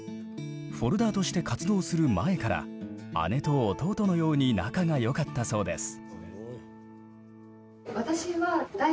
Ｆｏｌｄｅｒとして活動する前から姉と弟のように仲がよかったそうです。